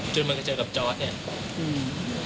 จนมันก็เจอกับจอร์สเนี่ย